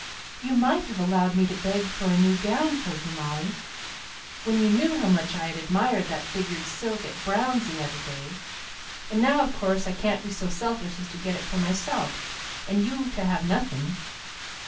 "You might have allowed me to beg for a new gown for you, Molly, when you knew how much I had admired that figured silk at Brown's the other day. And now, of course, I can't be so selfish as to get it for myself, and you to have nothing.